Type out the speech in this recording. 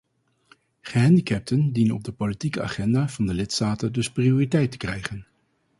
Gehandicapten dienen op de politieke agenda van de lidstaten dus prioriteit te krijgen.